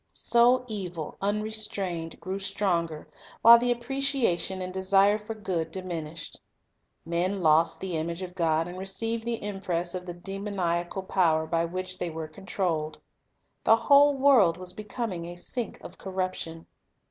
So evil, unrestrained, grew stronger, while the appreciation and desire for good diminished. Men lost the image of God, and received the impress of the demoniacal power by which they were controlled. The whole world was becoming a sink of corruption.